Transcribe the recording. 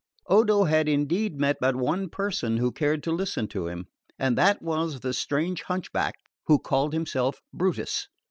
Odo had indeed met but one person who cared to listen to him, and that was the strange hunchback who had called himself Brutus.